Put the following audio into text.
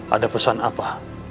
ada pesan apa